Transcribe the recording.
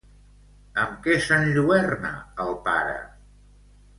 Amb què s'enlluerna el pare?